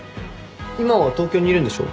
今は東京にいるんでしょ？